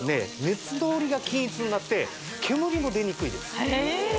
熱通りが均一になって煙も出にくいです